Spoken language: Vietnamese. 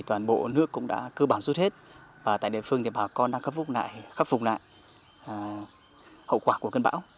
toàn bộ nước cũng đã cơ bản rút hết và tại địa phương thì bà con đang khắc phục lại hậu quả của cơn bão